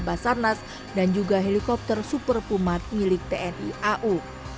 basarnas dan juga helikopter super pumat milik tni au